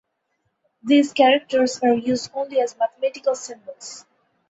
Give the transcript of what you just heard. These characters are used only as mathematical symbols.